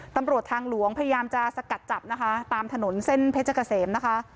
ตำรวจทางหลวงพยายามจะสกัดจับนะคะตามถนนเส้นเพชรเกษมนะคะ